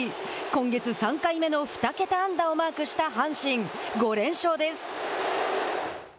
今月３回目の２桁安打をマークした阪神、５連勝です。